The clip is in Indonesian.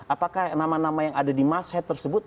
apakah nama nama yang ada di mashed tersebut